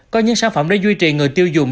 có những sản phẩm để duy trì người tiêu dùng